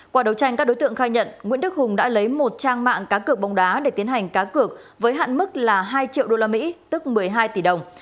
qua đấu tranh các đối tượng khai nhận nguyễn đức hùng đã lấy một trang mạng cá cược bóng đá để tiến hành cá cược với hạn mức là hai triệu usd tức một mươi hai tỷ đồng